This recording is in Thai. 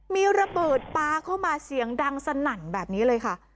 มีระเบิดปลาเข้ามาเสียงดังสนั่นแบบนี้เลยค่ะ